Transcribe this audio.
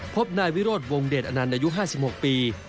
พบนายวิโรธวงเดชอนันต์อายุ๕๖ปี